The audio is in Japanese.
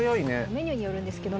メニューによるんですけど。